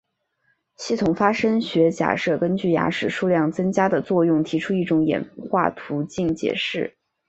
系统发生学假设根据牙齿数量增加的作用提出一种演化途径解释。